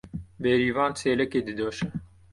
Bêrîvan çêlekê didoşe.